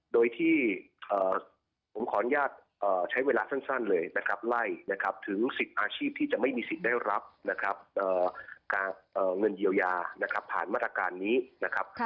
โดยที่ผมขออนุญาตใช้เวลาสั้นเลยนะครับไล่ถึงสิทธิ์อาชีพที่จะไม่มีสิทธิ์ได้รับเงินเยียวยาผ่านมาตรการนี้นะครับ